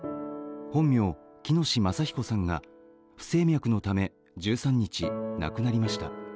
本名・喜熨斗政彦さんが不整脈のため１３日、亡くなりました。